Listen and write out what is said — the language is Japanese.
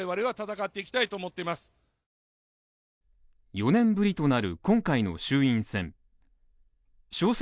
４年ぶりとなる今回の衆院選。